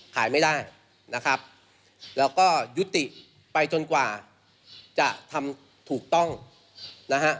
ขายไม่ได้นะครับแล้วก็ยุติไปจนกว่าจะทำถูกต้องนะฮะ